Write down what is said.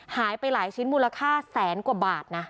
หายไปหลายชิ้นมูลค่าแสนกว่าบาทนะ